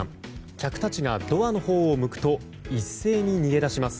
客たちがドアのほうを向くと一斉に逃げ出します。